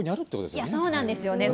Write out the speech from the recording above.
いやそうなんですよね。